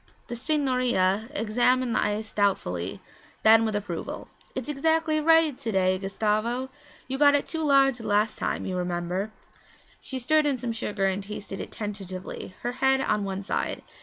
The signorina examined the ice doubtfully, then with approval. 'It's exactly right to day, Gustavo! You got it too large the last time, you remember.' She stirred in some sugar and tasted it tentatively, her head on one side.